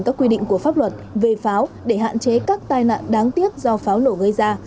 các quy định của pháp luật về pháo để hạn chế các tai nạn đáng tiếc do pháo nổ gây ra